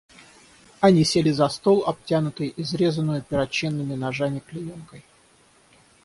Они сели за стол, обтянутый изрезанною перочинными ножами клеенкой.